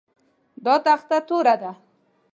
دا تخته توره ده